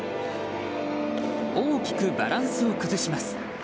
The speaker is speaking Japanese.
大きくバランスを崩します。